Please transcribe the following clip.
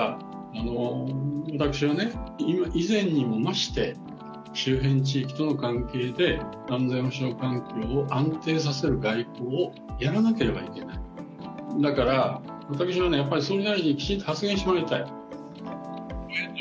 私は以前にも増して周辺地域との関係で安全保証環境を安定させる外交をやらなければいけない、だから私は総理大臣にきちんと発言してもらいたい。